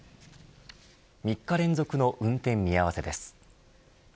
３日連続の運転見合わせです。